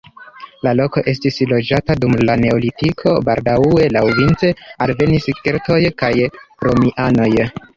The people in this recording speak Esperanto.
La loko estis loĝata dum la neolitiko, baldaŭe laŭvice alvenis keltoj kaj romianoj.